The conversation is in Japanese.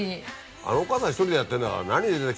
あのお母さん１人でやってるんだから。